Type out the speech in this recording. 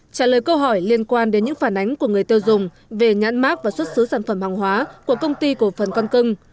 trả lời câu hỏi liên quan đến những phản ánh của người tiêu dùng về nhãn mác và xuất xứ sản phẩm hàng hóa của công ty cổ phần con cưng